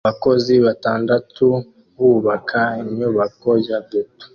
abakozi batandatu bubaka inyubako ya beto